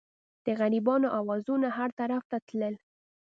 د غریبانو اوازونه هر طرف ته تلل.